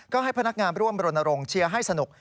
ก็ให้พนักงานร่วมรณรงค์เชียร์ให้สนุก